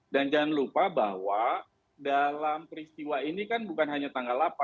jangan lupa bahwa dalam peristiwa ini kan bukan hanya tanggal delapan